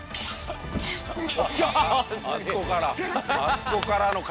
そこから。